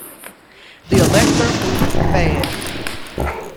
The elector moved fast.